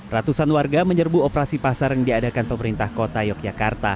ratusan warga menyerbu operasi pasar yang diadakan pemerintah kota yogyakarta